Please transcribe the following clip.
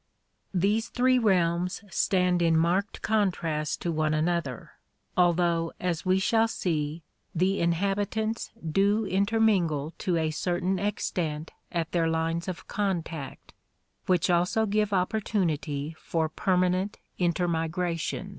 These three realms stand in marked contrast to one another, al though, as we shall see, the inhabitants do intermingle to a certain extent at their lines of contact, which also give opportunity for permanent intermigrations.